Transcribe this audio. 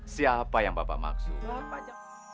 siapa yang bapak maksud